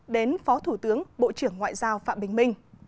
đến phó thủ tướng bộ trưởng ngoại giao phạm bình minh